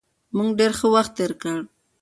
موږ ډېر ښه وخت تېر کړ.